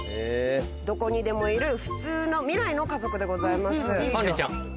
どこにでもいる普通の未来の家族でございます。